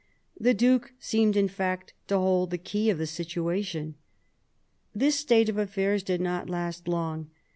The Duke seemed, in fact, to hold the key of the situation. This state of things did not last long.